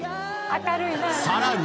さらに！